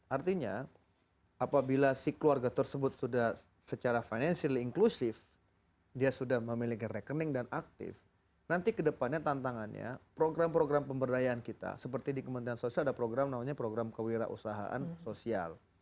artinya apabila si keluarga tersebut sudah secara financial inklusif dia sudah memiliki rekening dan aktif nanti kedepannya tantangannya program program pemberdayaan kita seperti di kementerian sosial ada program namanya program kewirausahaan sosial